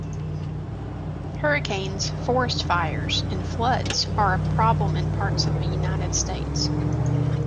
Hurricanes, forest fires and floods are a problem in parts of the United States.